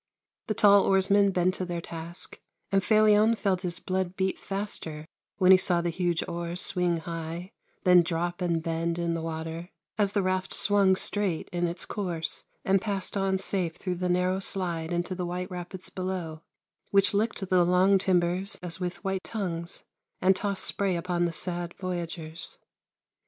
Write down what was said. The tall oarsmen bent to their task, and Felion felt his blood beat faster when he saw the huge oars swing high, then drop and bend in the water, as the raft swung straight in its course and passed on safe through the narrow slide into the white rapids below, which licked the long timbers as with white tongues, and tossed spray upon the sad voyagers.